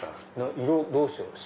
色どうしよう？